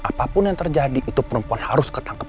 apapun yang terjadi itu perempuan harus ketangkep